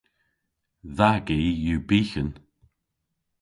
Dha gi yw byghan.